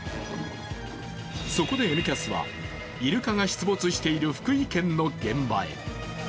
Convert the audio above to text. そこで「Ｎキャス」は、イルカが出没している福井県の現場へ。